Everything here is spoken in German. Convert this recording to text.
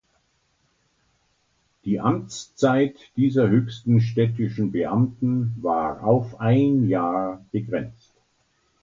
Die Amtszeit dieser höchsten städtischen Beamten war auf ein Jahr begrenzt.